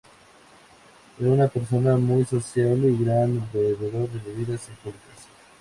Era una persona muy sociable y gran bebedor de bebidas alcohólicas.